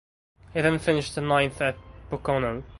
He then finished ninth at Pocono.